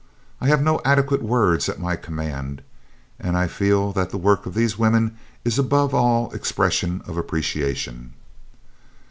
I have no adequate words at my command, and I feel that the work of these women is above all expression of appreciation."